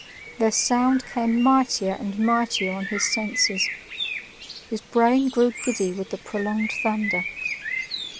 Their sound came mightier and mightier on his senses; his brain grew giddy with the prolonged thunder.